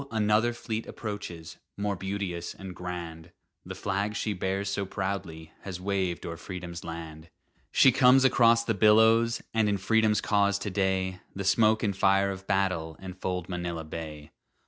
another fleet approaches, More beauteous and grand; The flag she bears so proudly Has waved o'er Freedom's land! She comes across the billows, And in Freedom's cause to day The smoke and fire of battle Enfold Manila Bay.